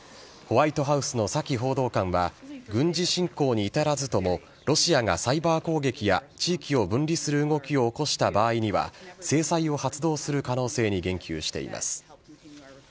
ホワイトハウスのサキ報道官は、軍事侵攻に至らずとも、ロシアがサイバー攻撃や地域を分離する動きを起こした場合には、制裁を発動する可能性に言及しています。